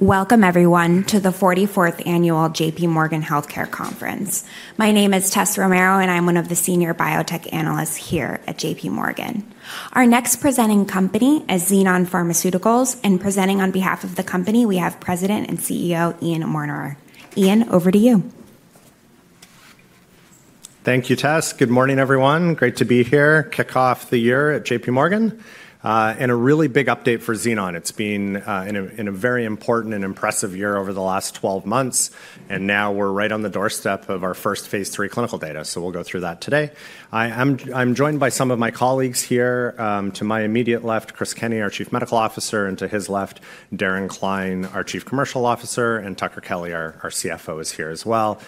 Welcome, everyone, to the 44th Annual J.P. Morgan Healthcare Conference. My name is Tessa Romero, and I'm one of the Senior Biotech Analysts here at J.P. Morgan. Our next presenting company is Xenon Pharmaceuticals, and presenting on behalf of the company, we have President and CEO Ian Mortimer. Ian, over to you. Thank you, Tess. Good morning, everyone. Great to be here, kick off the year at J.P. Morgan, and a really big update for Xenon. It's been a very important and impressive year over the last 12 months, and now we're right on the doorstep of our first phase III clinical data, so we'll go through that today. I'm joined by some of my colleagues here. To my immediate left, Chris Kenney, our Chief Medical Officer, and to his left, Darren Cline, our Chief Commercial Officer, and Tucker Kelly our CFO is here as well.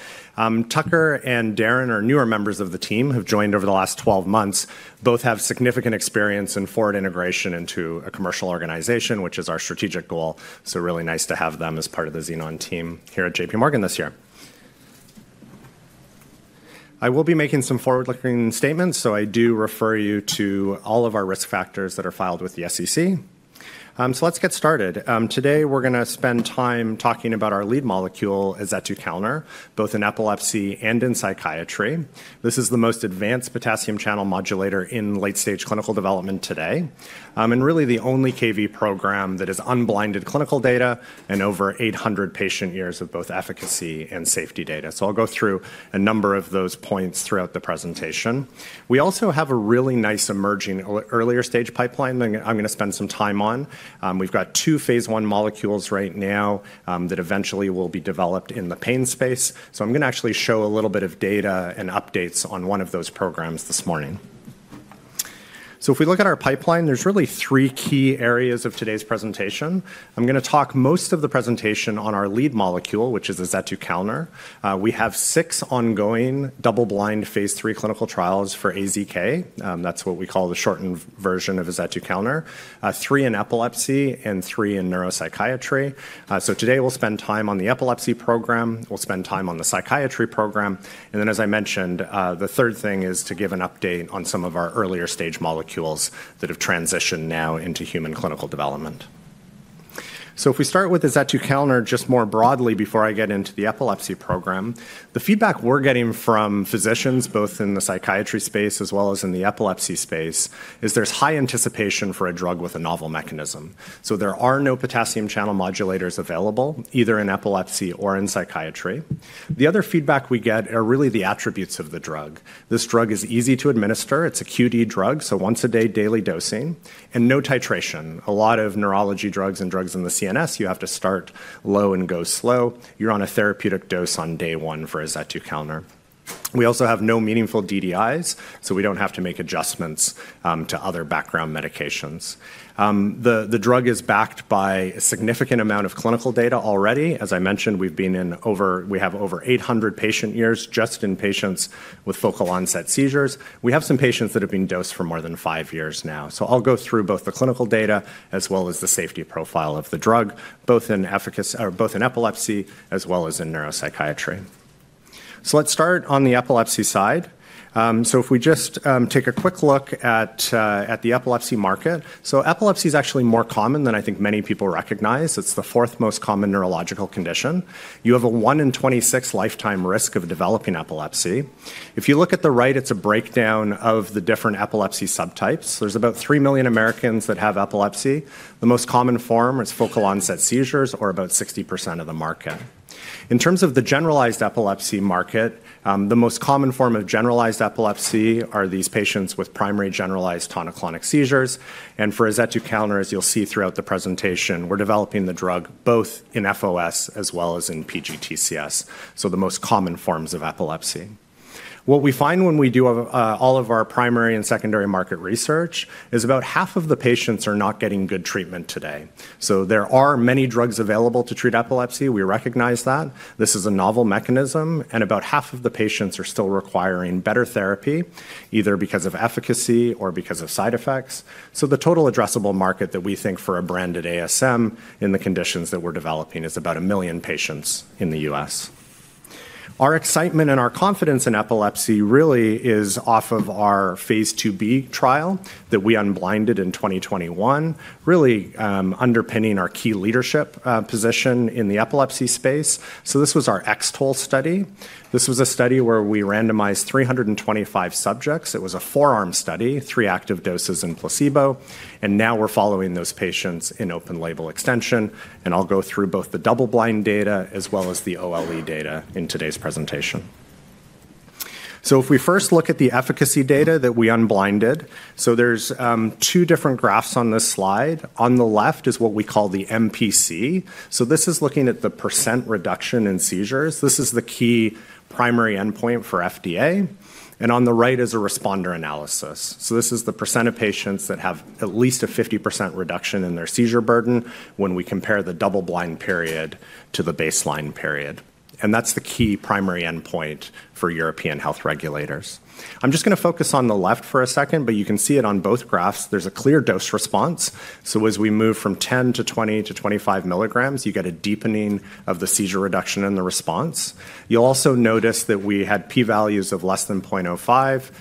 Tucker and Darren are newer members of the team, have joined over the last 12 months. Both have significant experience in forward integration into a commercial organization, which is our strategic goal, so really nice to have them as part of the Xenon team here at J.P. Morgan this year. I will be making some forward-looking statements, so I do refer you to all of our risk factors that are filed with the SEC. So let's get started. Today we're going to spend time talking about our lead molecule, azetukalner, both in epilepsy and in psychiatry. This is the most advanced potassium channel modulator in late-stage clinical development today, and really the only Kv7 program that is unblinded clinical data and over 800 patient years of both efficacy and safety data. So I'll go through a number of those points throughout the presentation. We also have a really nice emerging earlier stage pipeline that I'm going to spend some time on. We've got two phase I molecules right now that eventually will be developed in the pain space, so I'm going to actually show a little bit of data and updates on one of those programs this morning. If we look at our pipeline, there's really three key areas of today's presentation. I'm going to talk most of the presentation on our lead molecule, which is azetukalner. We have six ongoing double-blind phase III clinical trials for AZK. That's what we call the shortened version of azetukalner. Three in epilepsy and three in neuropsychiatry. Today we'll spend time on the epilepsy program. We'll spend time on the psychiatry program. And then, as I mentioned, the third thing is to give an update on some of our earlier stage molecules that have transitioned now into human clinical development. If we start with azetukalner just more broadly before I get into the epilepsy program, the feedback we're getting from physicians, both in the psychiatry space as well as in the epilepsy space, is there's high anticipation for a drug with a novel mechanism. So there are no potassium channel modulators available, either in epilepsy or in psychiatry. The other feedback we get are really the attributes of the drug. This drug is easy to administer. It's a QD drug, so once-a-day daily dosing, and no titration. A lot of neurology drugs and drugs in the CNS, you have to start low and go slow. You're on a therapeutic dose on day one for azetukalner. We also have no meaningful DDIs, so we don't have to make adjustments to other background medications. The drug is backed by a significant amount of clinical data already. As I mentioned, we have over 800 patient years just in patients with focal onset seizures. We have some patients that have been dosed for more than five years now. So I'll go through both the clinical data as well as the safety profile of the drug, both in epilepsy as well as in neuropsychiatry. So let's start on the epilepsy side. So if we just take a quick look at the epilepsy market, so epilepsy is actually more common than I think many people recognize. It's the fourth most common neurological condition. You have a one in 26 lifetime risk of developing epilepsy. If you look at the right, it's a breakdown of the different epilepsy subtypes. There's about three million Americans that have epilepsy. The most common form is focal onset seizures, or about 60% of the market. In terms of the generalized epilepsy market, the most common form of generalized epilepsy are these patients with primary generalized tonic-clonic seizures. For azetukalner, as you'll see throughout the presentation, we're developing the drug both in FOS as well as in PGTCS, so the most common forms of epilepsy. What we find when we do all of our primary and secondary market research is about half of the patients are not getting good treatment today. So there are many drugs available to treat epilepsy. We recognize that. This is a novel mechanism, and about half of the patients are still requiring better therapy, either because of efficacy or because of side effects. So the total addressable market that we think for a branded ASM in the conditions that we're developing is about a million patients in the US. Our excitement and our confidence in epilepsy really is off of our phase IIb trial that we unblinded in 2021, really underpinning our key leadership position in the epilepsy space. This was our X-TOLE study. This was a study where we randomized 325 subjects. It was a four-arm study, three active doses in placebo, and now we're following those patients in open-label extension. I'll go through both the double-blind data as well as the OLE data in today's presentation. If we first look at the efficacy data that we unblinded, there's two different graphs on this slide. On the left is what we call the MPC. This is looking at the percent reduction in seizures. This is the key primary endpoint for FDA. On the right is a responder analysis. This is the percent of patients that have at least a 50% reduction in their seizure burden when we compare the double-blind period to the baseline period. That's the key primary endpoint for European health regulators. I'm just going to focus on the left for a second, but you can see it on both graphs. There's a clear dose response. So as we move from 10 to 20 to 25 milligrams, you get a deepening of the seizure reduction in the response. You'll also notice that we had P-values of less than 0.05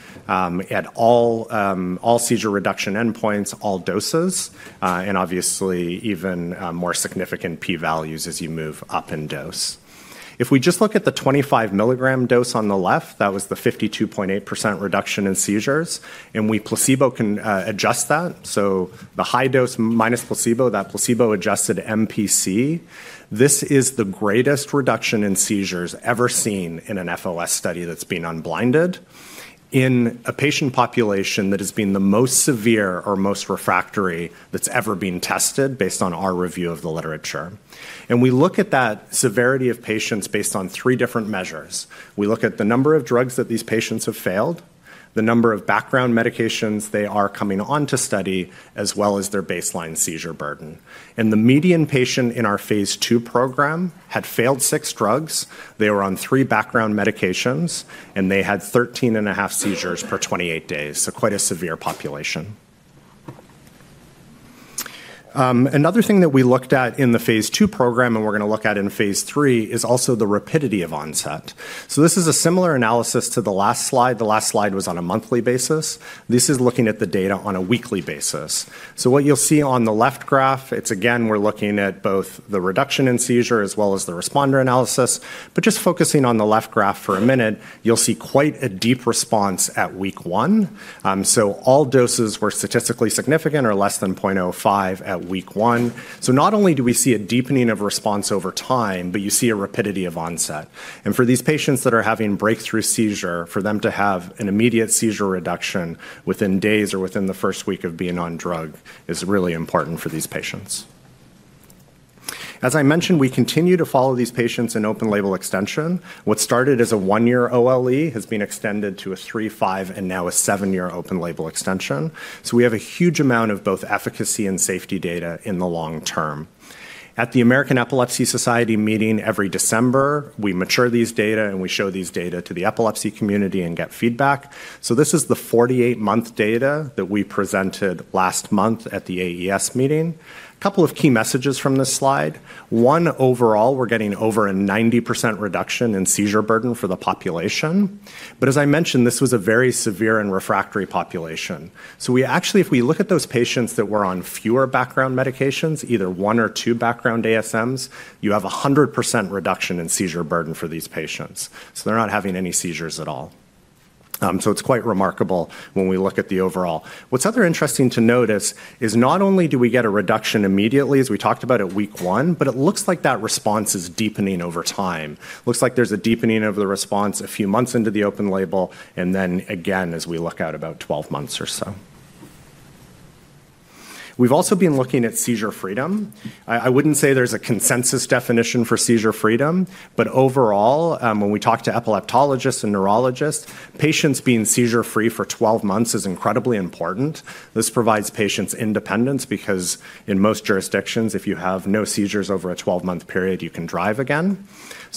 at all seizure reduction endpoints, all doses, and obviously even more significant P-values as you move up in dose. If we just look at the 25 milligram dose on the left, that was the 52.8% reduction in seizures, and we can placebo-adjust that. So the high dose minus placebo, that placebo-adjusted MPC, this is the greatest reduction in seizures ever seen in an FOS study that's been unblinded in a patient population that has been the most severe or most refractory that's ever been tested based on our review of the literature. We look at that severity of patients based on three different measures. We look at the number of drugs that these patients have failed, the number of background medications they are coming on to study, as well as their baseline seizure burden. The median patient in our phase II program had failed six drugs. They were on three background medications, and they had 13 and a half seizures per 28 days, so quite a severe population. Another thing that we looked at in the phase II program, and we're going to look at in phase III, is also the rapidity of onset. This is a similar analysis to the last slide. The last slide was on a monthly basis. This is looking at the data on a weekly basis. So what you'll see on the left graph, it's again, we're looking at both the reduction in seizure as well as the responder analysis. But just focusing on the left graph for a minute, you'll see quite a deep response at week one. So all doses were statistically significant or less than 0.05 at week one. So not only do we see a deepening of response over time, but you see a rapidity of onset. And for these patients that are having breakthrough seizure, for them to have an immediate seizure reduction within days or within the first week of being on drug is really important for these patients. As I mentioned, we continue to follow these patients in open-label extension. What started as a one-year OLE has been extended to a three, five, and now a seven-year open-label extension. We have a huge amount of both efficacy and safety data in the long term. At the American Epilepsy Society meeting every December, we mature these data, and we show these data to the epilepsy community and get feedback. This is the 48-month data that we presented last month at the AES meeting. A couple of key messages from this slide. One, overall, we're getting over a 90% reduction in seizure burden for the population. But as I mentioned, this was a very severe and refractory population. We actually, if we look at those patients that were on fewer background medications, either one or two background ASMs, you have a 100% reduction in seizure burden for these patients. They're not having any seizures at all. It's quite remarkable when we look at the overall. What’s also interesting to notice is not only do we get a reduction immediately, as we talked about at week 1, but it looks like that response is deepening over time. Looks like there’s a deepening of the response a few months into the open-label, and then again as we look out about 12 months or so. We’ve also been looking at seizure freedom. I wouldn’t say there’s a consensus definition for seizure freedom, but overall, when we talk to epileptologists and neurologists, patients being seizure-free for 12 months is incredibly important. This provides patients independence because in most jurisdictions, if you have no seizures over a 12-month period, you can drive again.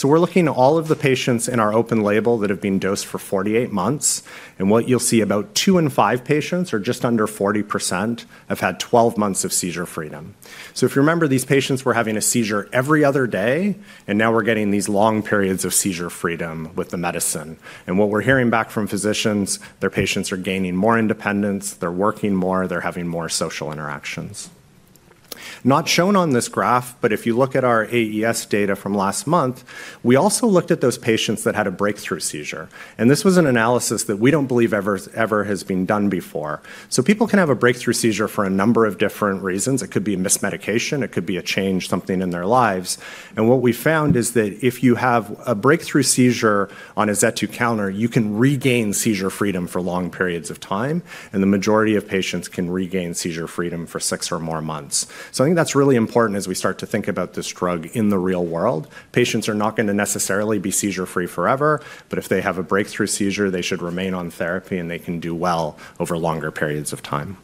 We're looking at all of the patients in our open-label that have been dosed for 48 months, and what you'll see, about two in five patients, or just under 40%, have had 12 months of seizure freedom. If you remember, these patients were having a seizure every other day, and now we're getting these long periods of seizure freedom with the medicine. What we're hearing back from physicians, their patients are gaining more independence, they're working more, they're having more social interactions. Not shown on this graph, but if you look at our AES data from last month, we also looked at those patients that had a breakthrough seizure. This was an analysis that we don't believe ever has been done before. People can have a breakthrough seizure for a number of different reasons. It could be a missed medication. It could be a change, something in their lives, and what we found is that if you have a breakthrough seizure on azetukalner, you can regain seizure freedom for long periods of time, and the majority of patients can regain seizure freedom for six or more months, so I think that's really important as we start to think about this drug in the real world. Patients are not going to necessarily be seizure-free forever, but if they have a breakthrough seizure, they should remain on therapy, and they can do well over longer periods of time,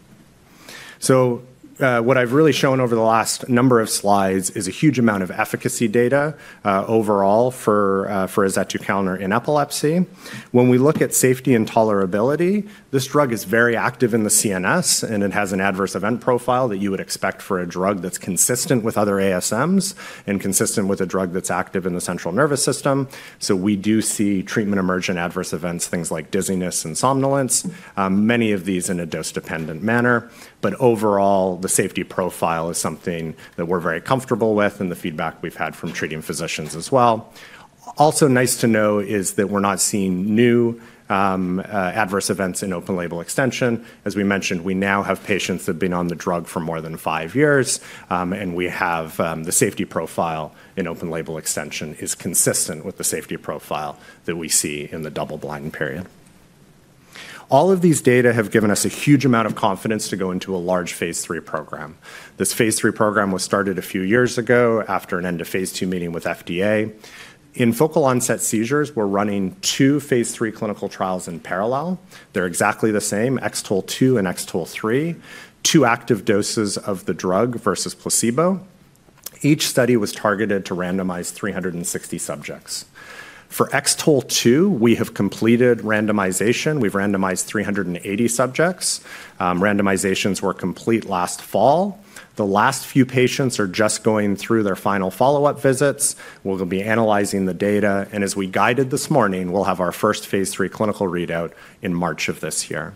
so what I've really shown over the last number of slides is a huge amount of efficacy data overall for azetukalner in epilepsy. When we look at safety and tolerability, this drug is very active in the CNS, and it has an adverse event profile that you would expect for a drug that's consistent with other ASMs and consistent with a drug that's active in the central nervous system. So we do see treatment-emergent adverse events, things like dizziness and somnolence, many of these in a dose-dependent manner. But overall, the safety profile is something that we're very comfortable with and the feedback we've had from treating physicians as well. Also nice to know is that we're not seeing new adverse events in open-label extension. As we mentioned, we now have patients that have been on the drug for more than five years, and we have the safety profile in open-label extension is consistent with the safety profile that we see in the double-blind period. All of these data have given us a huge amount of confidence to go into a large phase III program. This phase III program was started a few years ago after an end-of-phase II meeting with FDA. In focal onset seizures, we're running two phase III clinical trials in parallel. They're exactly the same, X-TOLE2 and X-TOLE3, two active doses of the drug versus placebo. Each study was targeted to randomize 360 subjects. For X-TOLE2, we have completed randomization. We've randomized 380 subjects. Randomizations were complete last fall. The last few patients are just going through their final follow-up visits. We'll be analyzing the data, and as we guided this morning, we'll have our first phase III clinical readout in March of this year.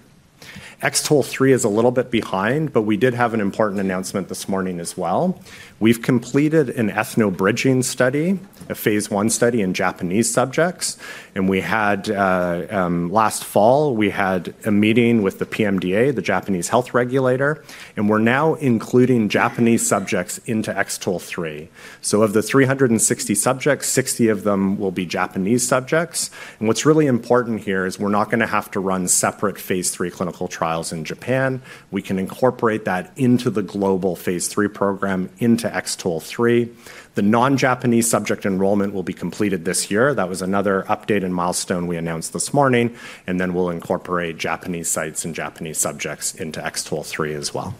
X-TOLE3 is a little bit behind, but we did have an important announcement this morning as well. We've completed an ethnobridging study, a phase I study in Japanese subjects, and we had, last fall, we had a meeting with the PMDA, the Japanese health regulator, and we're now including Japanese subjects into X-TOLE3, so of the 360 subjects, 60 of them will be Japanese subjects, and what's really important here is we're not going to have to run separate phase III clinical trials in Japan. We can incorporate that into the global phase III program into X-TOLE3. The non-Japanese subject enrollment will be completed this year. That was another update and milestone we announced this morning, and then we'll incorporate Japanese sites and Japanese subjects into X-TOLE3 as well.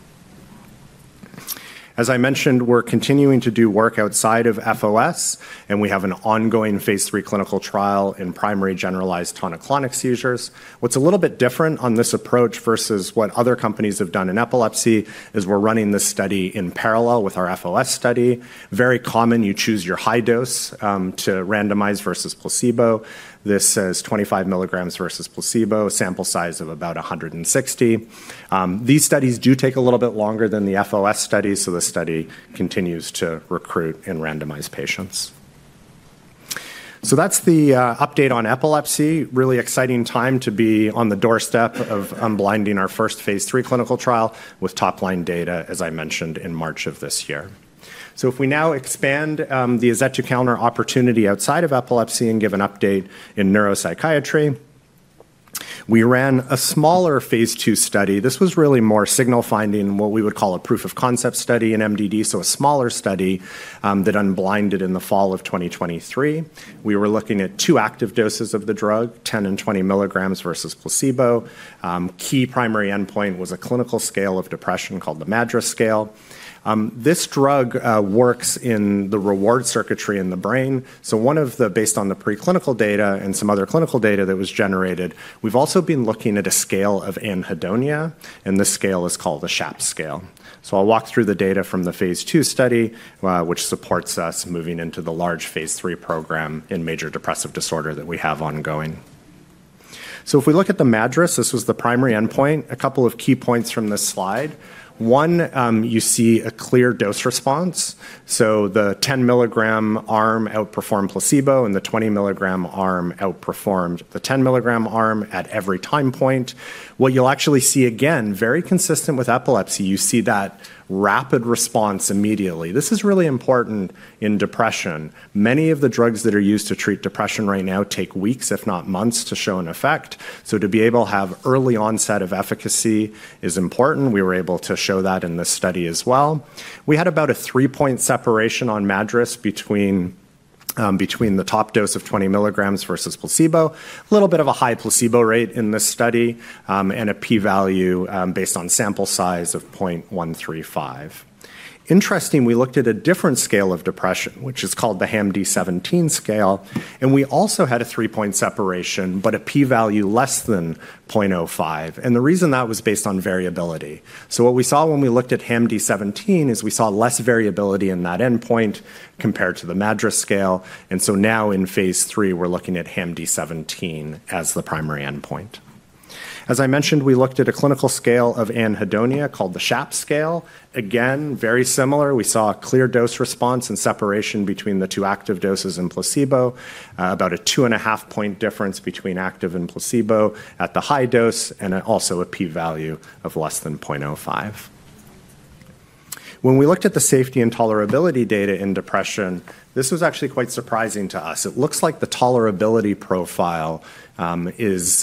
As I mentioned, we're continuing to do work outside of FOS, and we have an ongoing phase III clinical trial in primary generalized tonic-clonic seizures. What's a little bit different on this approach versus what other companies have done in epilepsy is we're running this study in parallel with our FOS study. Very common, you choose your high dose to randomize versus placebo. This says 25 milligrams versus placebo, sample size of about 160. These studies do take a little bit longer than the FOS studies, so the study continues to recruit and randomize patients. So that's the update on epilepsy. Really exciting time to be on the doorstep of unblinding our first phase III clinical trial with top-line data, as I mentioned, in March of this year. So if we now expand the azetukalner opportunity outside of epilepsy and give an update in neuropsychiatry, we ran a smaller phase II study. This was really more signal-finding, what we would call a proof-of-concept study in MDD, so a smaller study that unblinded in the fall of 2023. We were looking at two active doses of the drug, 10 and 20 milligrams versus placebo. Key primary endpoint was a clinical scale of depression called the MADRS scale. This drug works in the reward circuitry in the brain. So one of the, based on the preclinical data and some other clinical data that was generated, we've also been looking at a scale of anhedonia, and this scale is called the SHAPS scale. So I'll walk through the data from the phase II study, which supports us moving into the large phase III program in major depressive disorder that we have ongoing. So if we look at the MADRS, this was the primary endpoint. A couple of key points from this slide. One, you see a clear dose response. So the 10 milligram arm outperformed placebo, and the 20 milligram arm outperformed the 10 milligram arm at every time point. What you'll actually see again, very consistent with epilepsy, you see that rapid response immediately. This is really important in depression. Many of the drugs that are used to treat depression right now take weeks, if not months, to show an effect. So to be able to have early onset of efficacy is important. We were able to show that in this study as well. We had about a three-point separation on MADRS between the top dose of 20 milligrams versus placebo, a little bit of a high placebo rate in this study, and a P-value based on sample size of 0.135. Interesting, we looked at a different scale of depression, which is called the HAMD-17 scale, and we also had a three-point separation, but a P-value less than 0.05. The reason that was based on variability. What we saw when we looked at HAMD-17 is we saw less variability in that endpoint compared to the MADRS scale. Now in phase III, we're looking at HAMD-17 as the primary endpoint. As I mentioned, we looked at a clinical scale of anhedonia called the SHAPS scale. Again, very similar. We saw a clear dose response and separation between the two active doses and placebo, about a two-and-a-half-point difference between active and placebo at the high dose, and also a P-value of less than 0.05. When we looked at the safety and tolerability data in depression, this was actually quite surprising to us. It looks like the tolerability profile is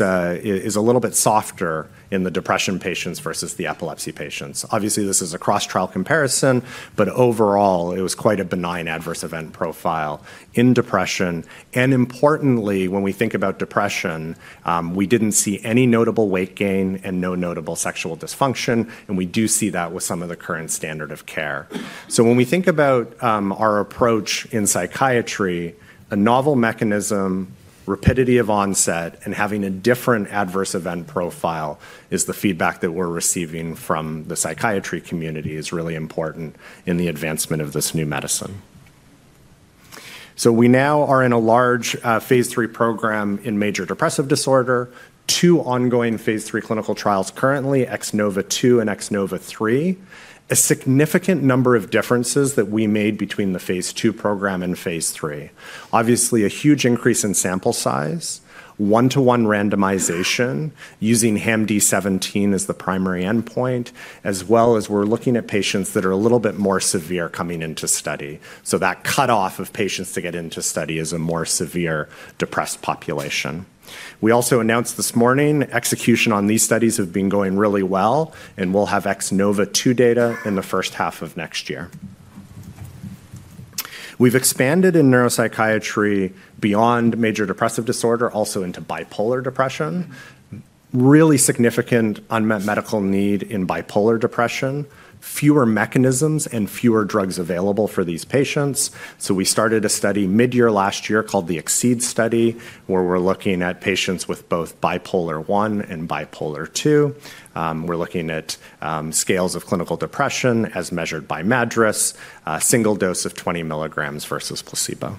a little bit softer in the depression patients versus the epilepsy patients. Obviously, this is a cross-trial comparison, but overall, it was quite a benign adverse event profile in depression, and importantly, when we think about depression, we didn't see any notable weight gain and no notable sexual dysfunction, and we do see that with some of the current standard of care. When we think about our approach in psychiatry, a novel mechanism, rapidity of onset, and having a different adverse event profile is the feedback that we're receiving from the psychiatry community is really important in the advancement of this new medicine. So we now are in a large phase III program in major depressive disorder, two ongoing phase III clinical trials currently, X-NOVA2 and X-NOVA3, a significant number of differences that we made between the phase II program and phase III. Obviously, a huge increase in sample size, one-to-one randomization using HAMD-17 as the primary endpoint, as well as we're looking at patients that are a little bit more severe coming into study. So that cutoff of patients to get into study is a more severe depressed population. We also announced this morning execution on these studies have been going really well, and we'll have X-NOVA2 data in the first half of next year. We've expanded in neuropsychiatry beyond major depressive disorder, also into bipolar depression. Really significant unmet medical need in bipolar depression, fewer mechanisms and fewer drugs available for these patients. So we started a study mid-year last year called the X-CEED study, where we're looking at patients with both bipolar I and bipolar II. We're looking at scales of clinical depression as measured by MADRS, single dose of 20 milligrams versus placebo.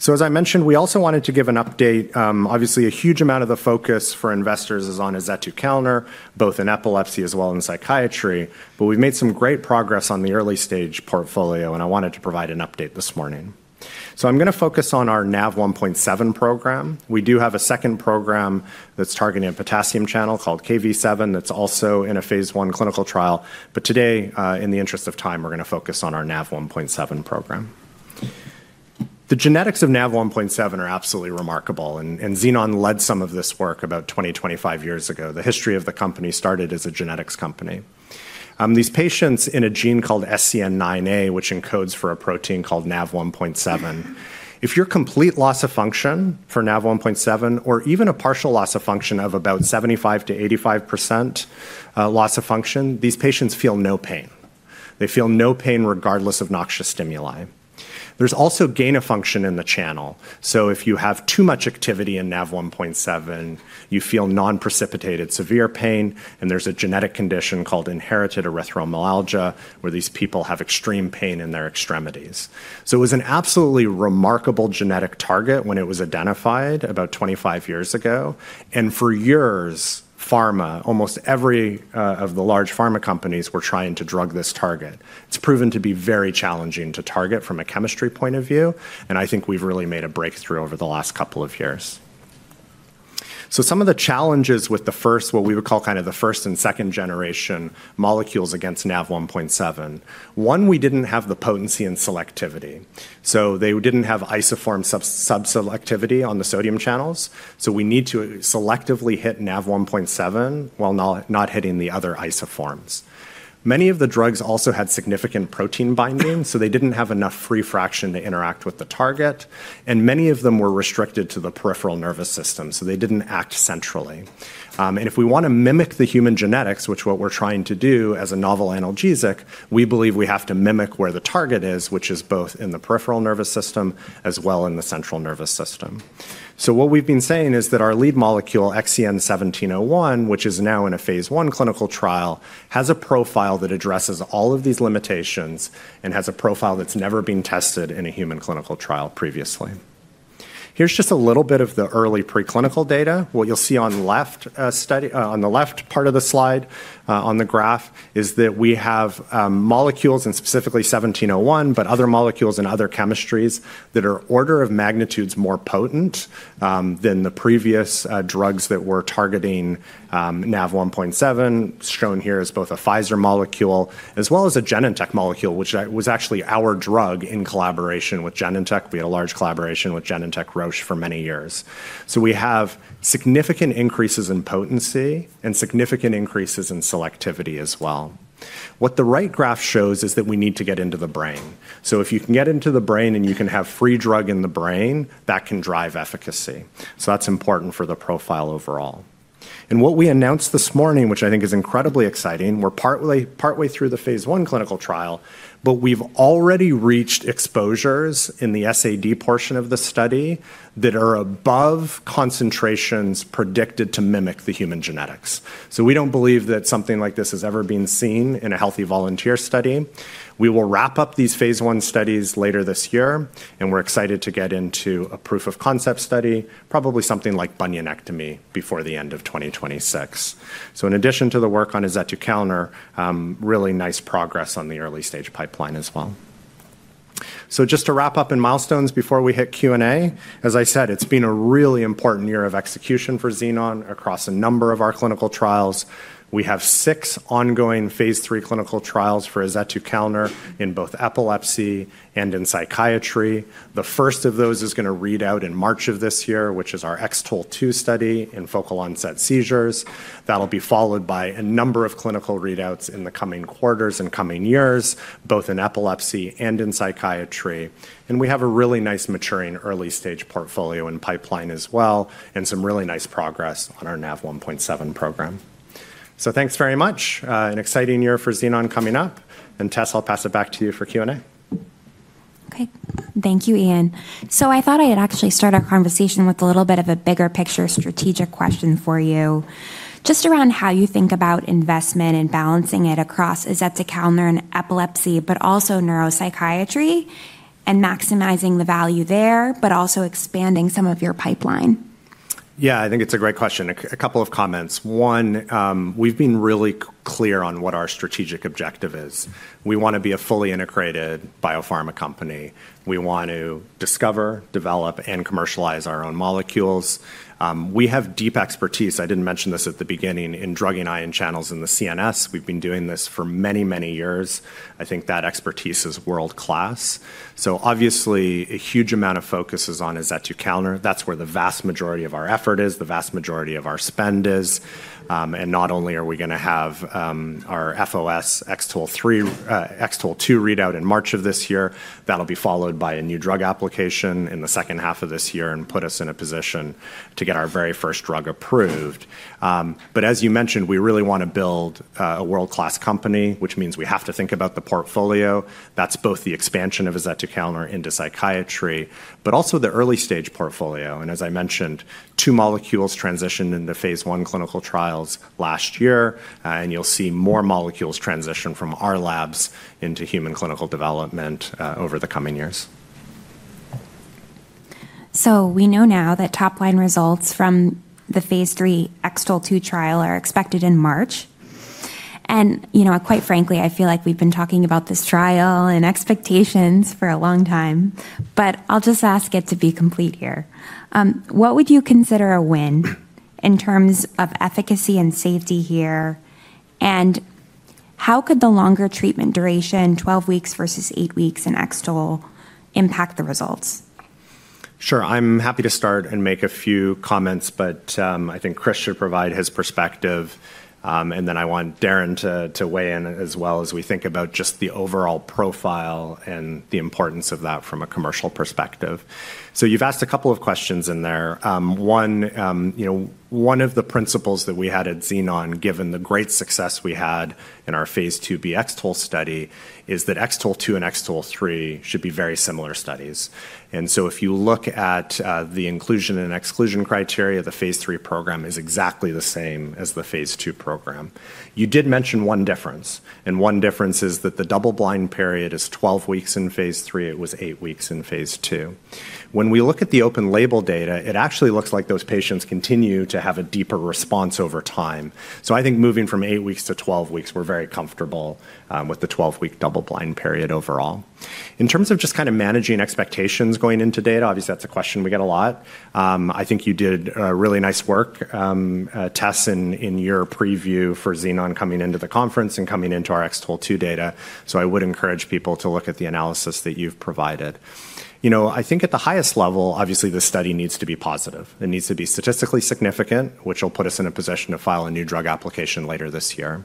So as I mentioned, we also wanted to give an update. Obviously, a huge amount of the focus for investors is on azetukalner, both in epilepsy as well as in psychiatry, but we've made some great progress on the early-stage portfolio, and I wanted to provide an update this morning. So I'm going to focus on our Nav1.7 program. We do have a second program that's targeting a potassium channel called Kv7 that's also in a phase I clinical trial, but today, in the interest of time, we're going to focus on our Nav1.7 program. The genetics of Nav1.7 are absolutely remarkable, and Xenon led some of this work about 20-25 years ago. The history of the company started as a genetics company. These patients in a gene called SCN9A, which encodes for a protein called Nav1.7, if you're complete loss of function for Nav1.7, or even a partial loss of function of about 75%-85% loss of function, these patients feel no pain. They feel no pain regardless of noxious stimuli. There's also gain of function in the channel. So if you have too much activity in Nav1.7, you feel non-precipitated severe pain, and there's a genetic condition called inherited erythromelalgia, where these people have extreme pain in their extremities. It was an absolutely remarkable genetic target when it was identified about 25 years ago, and for years, pharma, almost every of the large pharma companies were trying to drug this target. It's proven to be very challenging to target from a chemistry point of view, and I think we've really made a breakthrough over the last couple of years. Some of the challenges with the first, what we would call kind of the first and second generation molecules against Nav1.7, one, we didn't have the potency and selectivity. So they didn't have isoform subselectivity on the sodium channels, so we need to selectively hit Nav1.7 while not hitting the other isoforms. Many of the drugs also had significant protein binding, so they didn't have enough free fraction to interact with the target, and many of them were restricted to the peripheral nervous system, so they didn't act centrally. And if we want to mimic the human genetics, which is what we're trying to do as a novel analgesic, we believe we have to mimic where the target is, which is both in the peripheral nervous system as well as in the central nervous system. So what we've been saying is that our lead molecule, XEN1701, which is now in a phase I clinical trial, has a profile that addresses all of these limitations and has a profile that's never been tested in a human clinical trial previously. Here's just a little bit of the early preclinical data. What you'll see on the left part of the slide on the graph is that we have molecules, and specifically 1701, but other molecules and other chemistries that are orders of magnitude more potent than the previous drugs that were targeting Nav1.7, shown here as both a Pfizer molecule as well as a Genentech molecule, which was actually our drug in collaboration with Genentech. We had a large collaboration with Genentech Roche for many years. So we have significant increases in potency and significant increases in selectivity as well. What the right graph shows is that we need to get into the brain. So if you can get into the brain and you can have free drug in the brain, that can drive efficacy. So that's important for the profile overall. What we announced this morning, which I think is incredibly exciting, we're partway through the phase I clinical trial, but we've already reached exposures in the SAD portion of the study that are above concentrations predicted to mimic the human genetics. So we don't believe that something like this has ever been seen in a healthy volunteer study. We will wrap up these phase I studies later this year, and we're excited to get into a proof-of-concept study, probably something like bunionectomy before the end of 2026. So in addition to the work on azetukalner, really nice progress on the early-stage pipeline as well. So just to wrap up in milestones before we hit Q&A, as I said, it's been a really important year of execution for Xenon across a number of our clinical trials. We have six ongoing phase III clinical trials for azetukalner in both epilepsy and in psychiatry. The first of those is going to read out in March of this year, which is our X-TOLE2 study in focal onset seizures. That'll be followed by a number of clinical readouts in the coming quarters and coming years, both in epilepsy and in psychiatry, and we have a really nice maturing early-stage portfolio and pipeline as well, and some really nice progress on our Nav1.7 program, so thanks very much. An exciting year for Xenon coming up, and Tess, I'll pass it back to you for Q&A. Okay. Thank you, Ian. So I thought I'd actually start our conversation with a little bit of a bigger picture strategic question for you just around how you think about investment and balancing it across azetukalner and epilepsy, but also neuropsychiatry and maximizing the value there, but also expanding some of your pipeline. Yeah, I think it's a great question. A couple of comments. One, we've been really clear on what our strategic objective is. We want to be a fully integrated biopharma company. We want to discover, develop, and commercialize our own molecules. We have deep expertise. I didn't mention this at the beginning in drug and ion channels in the CNS. We've been doing this for many, many years. I think that expertise is world-class. So obviously, a huge amount of focus is on azetukalner. That's where the vast majority of our effort is, the vast majority of our spend is. And not only are we going to have our FOS X-TOLE2 readout in March of this year, that'll be followed by a new drug application in the second half of this year and put us in a position to get our very first drug approved. But as you mentioned, we really want to build a world-class company, which means we have to think about the portfolio. That's both the expansion of azetukalner into psychiatry, but also the early-stage portfolio. And as I mentioned, two molecules transitioned in the phase I clinical trials last year, and you'll see more molecules transition from our labs into human clinical development over the coming years. We know now that top-line results from the phase III X-TOLE2 trial are expected in March. And quite frankly, I feel like we've been talking about this trial and expectations for a long time, but I'll just ask it to be complete here. What would you consider a win in terms of efficacy and safety here, and how could the longer treatment duration, 12 weeks versus eight weeks in X-TOLE, impact the results? Sure. I'm happy to start and make a few comments, but I think Chris should provide his perspective, and then I want Darren to weigh in as well as we think about just the overall profile and the importance of that from a commercial perspective. So you've asked a couple of questions in there. One, one of the principles that we had at Xenon, given the great success we had in our phase IIb X-TOLE study, is that X-TOLE2 and X-TOLE3 should be very similar studies, and so if you look at the inclusion and exclusion criteria, the phase III program is exactly the same as the phase II program. You did mention one difference, and one difference is that the double-blind period is 12 weeks in phase III. It was eight weeks in phase II. When we look at the open-label data, it actually looks like those patients continue to have a deeper response over time. So I think moving from eight weeks to 12 weeks, we're very comfortable with the 12-week double-blind period overall. In terms of just kind of managing expectations going into data, obviously that's a question we get a lot. I think you did really nice work, Tess, in your preview for Xenon coming into the conference and coming into our X-TOLE2 data, so I would encourage people to look at the analysis that you've provided. I think at the highest level, obviously the study needs to be positive. It needs to be statistically significant, which will put us in a position to file a new drug application later this year.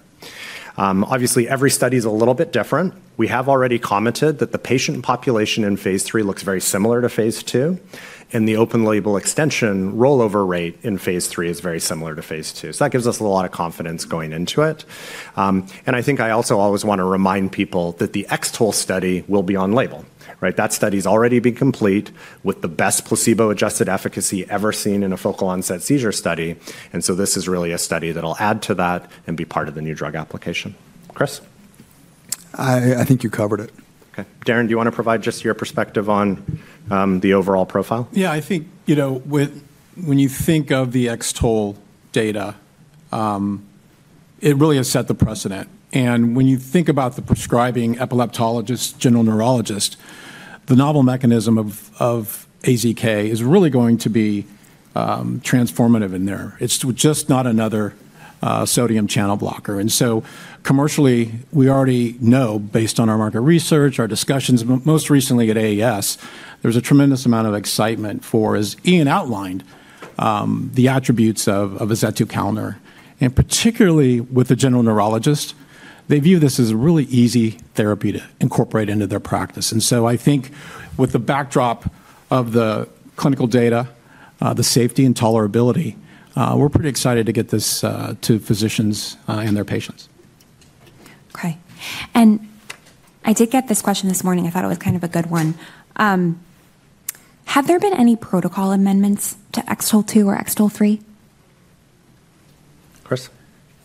Obviously, every study is a little bit different. We have already commented that the patient population in phase III looks very similar to phase II, and the open-label extension rollover rate in phase III is very similar to phase II. So that gives us a lot of confidence going into it. And I think I also always want to remind people that the X-TOLE study will be on label. That study has already been complete with the best placebo-adjusted efficacy ever seen in a focal onset seizure study, and so this is really a study that'll add to that and be part of the new drug application. Chris? I think you covered it. Okay. Darren, do you want to provide just your perspective on the overall profile? Yeah, I think when you think of the X-TOLE data, it really has set the precedent, and when you think about the prescribing epileptologist, general neurologist, the novel mechanism of AZK is really going to be transformative in there. It's just not another sodium channel blocker, and so commercially, we already know based on our market research, our discussions, most recently at AES, there's a tremendous amount of excitement for, as Ian outlined, the attributes of azetukalner, and particularly with the general neurologist, they view this as a really easy therapy to incorporate into their practice, and so I think with the backdrop of the clinical data, the safety and tolerability, we're pretty excited to get this to physicians and their patients. Okay. And I did get this question this morning. I thought it was kind of a good one. Have there been any protocol amendments to XTOL2 or XTOL3? Chris?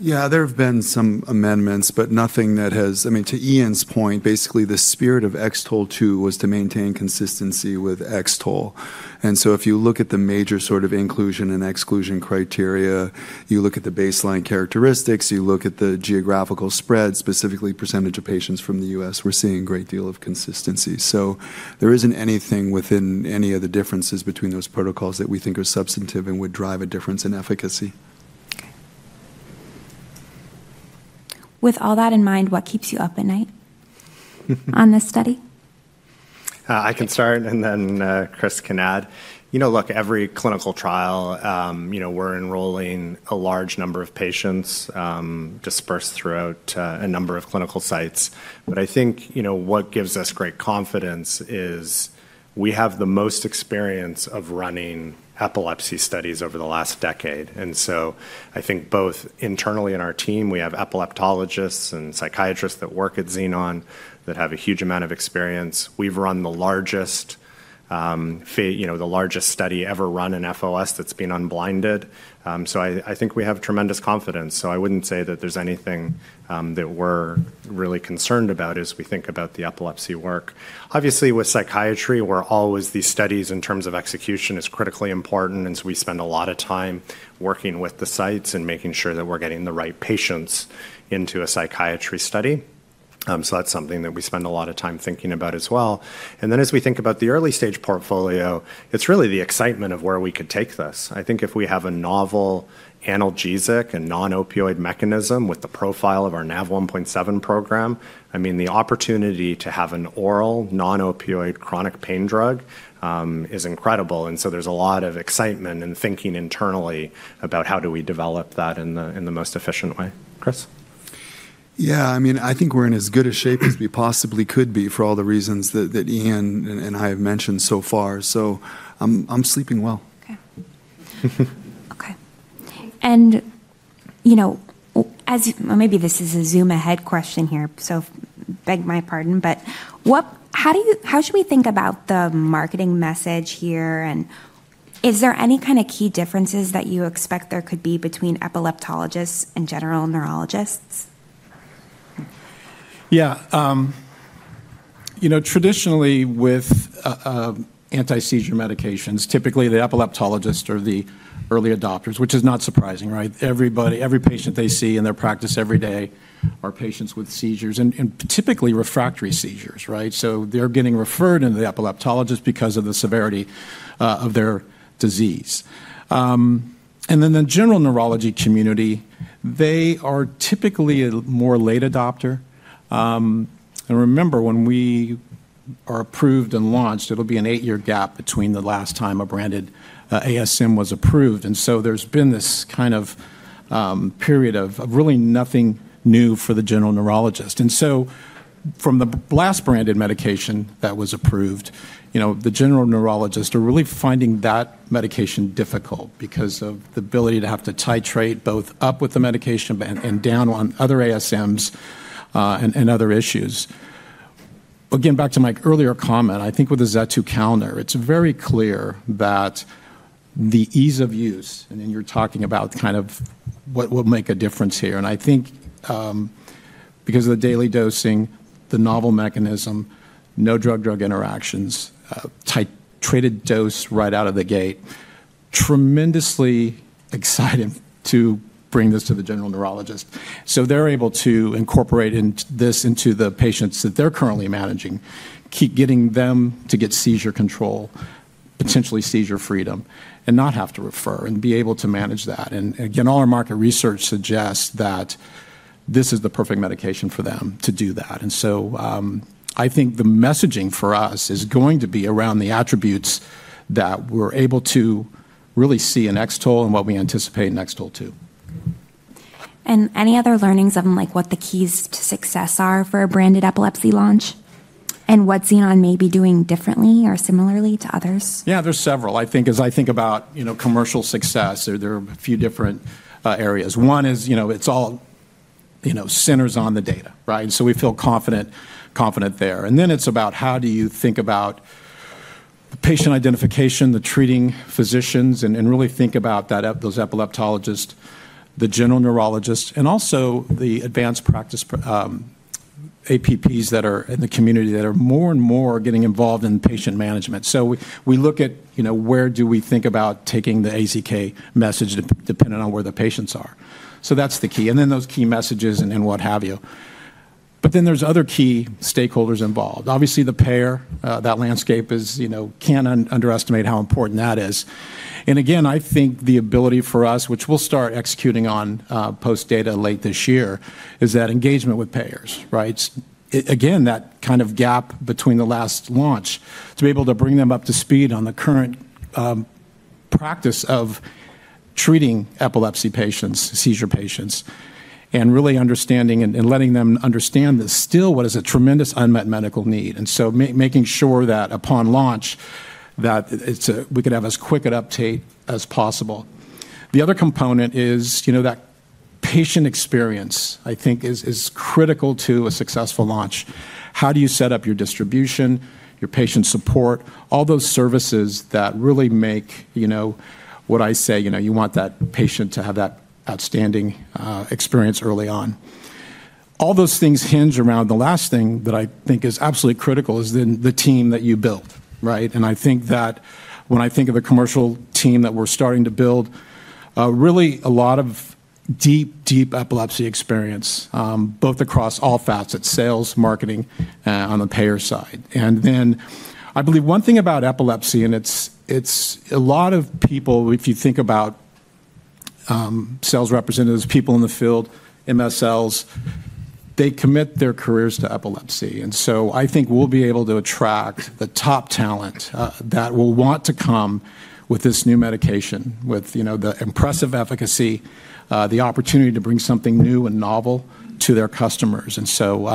Yeah, there have been some amendments, but nothing that has, I mean, to Ian's point, basically the spirit of X-TOLE2 was to maintain consistency with X-TOLE. And so if you look at the major sort of inclusion and exclusion criteria, you look at the baseline characteristics, you look at the geographical spread, specifically percentage of patients from the U.S., we're seeing a great deal of consistency. So there isn't anything within any of the differences between those protocols that we think are substantive and would drive a difference in efficacy. Okay. With all that in mind, what keeps you up at night on this study? I can start, and then Chris can add. Look, every clinical trial, we're enrolling a large number of patients dispersed throughout a number of clinical sites. But I think what gives us great confidence is we have the most experience of running epilepsy studies over the last decade. And so I think both internally in our team, we have epileptologists and psychiatrists that work at Xenon that have a huge amount of experience. We've run the largest study ever run in FOS that's been unblinded. So I think we have tremendous confidence. So I wouldn't say that there's anything that we're really concerned about as we think about the epilepsy work. Obviously, with psychiatry, where always these studies in terms of execution are critically important, and so we spend a lot of time working with the sites and making sure that we're getting the right patients into a psychiatry study. So that's something that we spend a lot of time thinking about as well. And then as we think about the early-stage portfolio, it's really the excitement of where we could take this. I think if we have a novel analgesic and non-opioid mechanism with the profile of our Nav1.7 program, I mean, the opportunity to have an oral non-opioid chronic pain drug is incredible. And so there's a lot of excitement and thinking internally about how do we develop that in the most efficient way. Chris? Yeah, I mean, I think we're in as good a shape as we possibly could be for all the reasons that Ian and I have mentioned so far. So I'm sleeping well. Okay. Okay. And maybe this is a one ahead question here, so beg your pardon, but how should we think about the marketing message here? And is there any kind of key differences that you expect there could be between epileptologists and general neurologists? Yeah. Traditionally, with anti-seizure medications, typically the epileptologists are the early adopters, which is not surprising. Every patient they see in their practice every day are patients with seizures and typically refractory seizures. So they're getting referred to the epileptologist because of the severity of their disease. And then the general neurology community, they are typically a more late adopter. And remember, when we are approved and launched, it'll be an eight-year gap between the last time a branded ASM was approved. And so there's been this kind of period of really nothing new for the general neurologist. And so from the last branded medication that was approved, the general neurologists are really finding that medication difficult because of the ability to have to titrate both up with the medication and down on other ASMs and other issues. Again, back to my earlier comment, I think with azetukalner, it's very clear that the ease of use, and then you're talking about kind of what will make a difference here. And I think because of the daily dosing, the novel mechanism, no drug-drug interactions, titrated dose right out of the gate, tremendously exciting to bring this to the general neurologist. So they're able to incorporate this into the patients that they're currently managing, keep getting them to get seizure control, potentially seizure freedom, and not have to refer and be able to manage that. And again, all our market research suggests that this is the perfect medication for them to do that. And so I think the messaging for us is going to be around the attributes that we're able to really see in X-TOLE and what we anticipate in X-TOLE2. Any other learnings on what the keys to success are for a branded epilepsy launch and what Xenon may be doing differently or similarly to others? Yeah, there's several. I think as I think about commercial success, there are a few different areas. One is it's all centers on the data. So we feel confident there. And then it's about how do you think about the patient identification, the treating physicians, and really think about those epileptologists, the general neurologists, and also the advanced practice APPs that are in the community that are more and more getting involved in patient management. So we look at where do we think about taking the AZK message depending on where the patients are. So that's the key. And then those key messages and what have you. But then there's other key stakeholders involved. Obviously, the payer. That landscape, you can't underestimate how important that is. And again, I think the ability for us, which we'll start executing on post-data late this year, is that engagement with payers. Again, that kind of gap between the last launch to be able to bring them up to speed on the current practice of treating epilepsy patients, seizure patients, and really understanding and letting them understand that still what is a tremendous unmet medical need, and so making sure that upon launch, that we could have as quick an update as possible. The other component is that patient experience, I think, is critical to a successful launch. How do you set up your distribution, your patient support, all those services that really make what I say, you want that patient to have that outstanding experience early on? All those things hinge around the last thing that I think is absolutely critical is then the team that you build. I think that when I think of a commercial team that we're starting to build, really a lot of deep, deep epilepsy experience, both across all facets, sales, marketing, on the payer side. Then I believe one thing about epilepsy, and it's a lot of people. If you think about sales representatives, people in the field, MSLs, they commit their careers to epilepsy. So I think we'll be able to attract the top talent that will want to come with this new medication with the impressive efficacy, the opportunity to bring something new and novel to their customers. So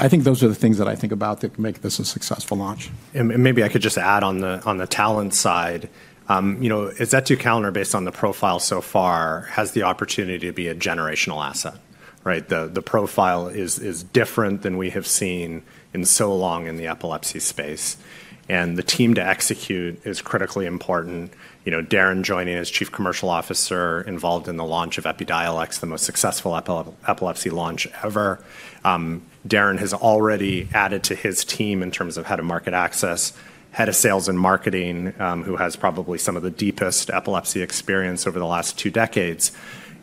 I think those are the things that I think about that can make this a successful launch. And maybe I could just add on the talent side. Azetukalner, based on the profile so far, has the opportunity to be a generational asset. The profile is different than we have seen in so long in the epilepsy space. And the team to execute is critically important. Darren joining as Chief Commercial Officer involved in the launch of Epidiolex, the most successful epilepsy launch ever. Darren has already added to his team in terms of Head of Market Access, Head of Sales and Marketing, who has probably some of the deepest epilepsy experience over the last two decades.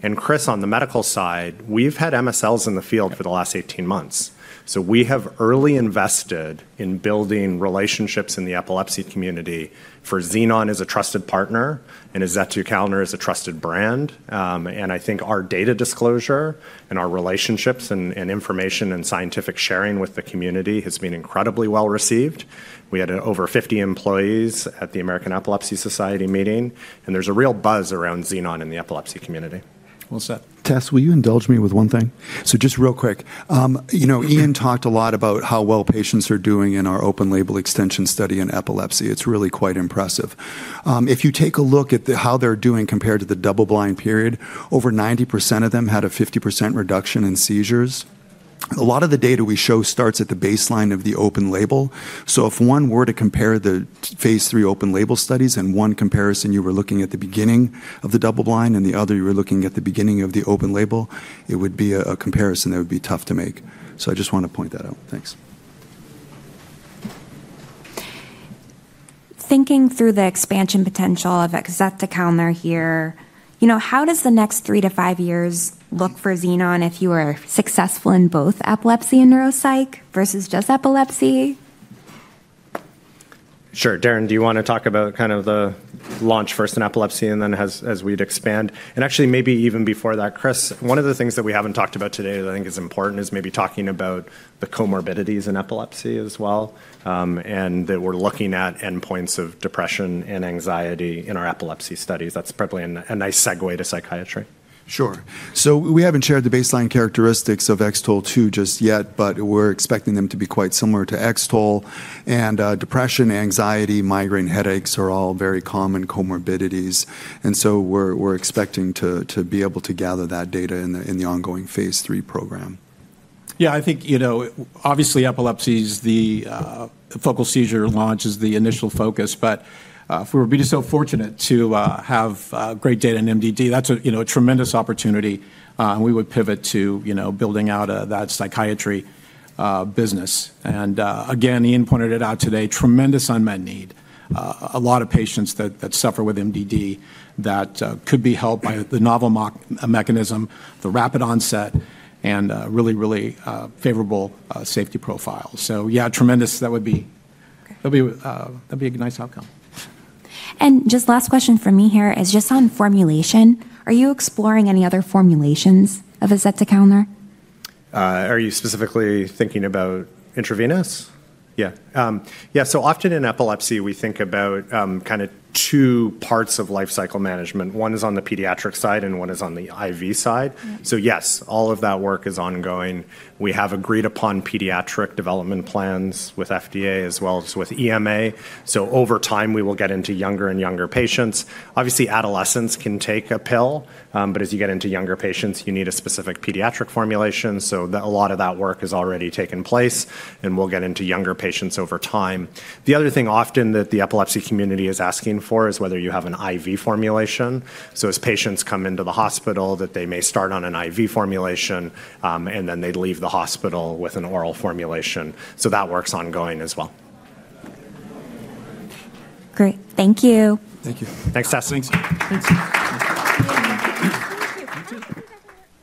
And Chris, on the medical side, we've had MSLs in the field for the last 18 months. So we have early invested in building relationships in the epilepsy community for Xenon as a trusted partner and azetukalner as a trusted brand. I think our data disclosure and our relationships and information and scientific sharing with the community has been incredibly well received. We had over 50 employees at the American Epilepsy Society meeting, and there's a real buzz around Xenon in the epilepsy community. Seth. Tess, will you indulge me with one thing? Just real quick, Ian talked a lot about how well patients are doing in our open-label extension study in epilepsy. It's really quite impressive. If you take a look at how they're doing compared to the double-blind period, over 90% of them had a 50% reduction in seizures. A lot of the data we show starts at the baseline of the open-label. If one were to compare the phase 3 open -label studies and one comparison you were looking at the beginning of the double-blind and the other you were looking at the beginning of the open-label, it would be a comparison that would be tough to make. I just want to point that out. Thanks. Thinking through the expansion potential of azetukalner here, how does the next three to five years look for Xenon if you are successful in both epilepsy and neuropsych versus just epilepsy? Sure. Darren, do you want to talk about kind of the launch first in epilepsy and then as we'd expand? And actually, maybe even before that, Chris, one of the things that we haven't talked about today that I think is important is maybe talking about the comorbidities in epilepsy as well and that we're looking at endpoints of depression and anxiety in our epilepsy studies. That's probably a nice segue to psychiatry. Sure. So we haven't shared the baseline characteristics of X-TOLE2 just yet, but we're expecting them to be quite similar to X-TOLE. And depression, anxiety, migraine headaches are all very common comorbidities. And so we're expecting to be able to gather that data in the ongoing phase three program. Yeah. I think obviously epilepsy is the focal seizure launch is the initial focus, but if we were to be so fortunate to have great data in MDD, that's a tremendous opportunity. And we would pivot to building out that psychiatry business. And again, Ian pointed it out today, tremendous unmet need, a lot of patients that suffer with MDD that could be helped by the novel mechanism, the rapid onset, and really, really favorable safety profile. So yeah, tremendous. That would be a nice outcome. Just last question for me here is just on formulation. Are you exploring any other formulations of azetukalner? Are you specifically thinking about intravenous? Yeah. Yeah. So often in epilepsy, we think about kind of two parts of life cycle management. One is on the pediatric side and one is on the IV side. So yes, all of that work is ongoing. We have agreed upon pediatric development plans with FDA as well as with EMA. So over time, we will get into younger and younger patients. Obviously, adolescents can take a pill, but as you get into younger patients, you need a specific pediatric formulation. So a lot of that work has already taken place, and we'll get into younger patients over time. The other thing often that the epilepsy community is asking for is whether you have an IV formulation. So as patients come into the hospital, that they may start on an IV formulation, and then they leave the hospital with an oral formulation. So that works ongoing as well. Great. Thank you. Thank you. Thanks, Tess. Thanks.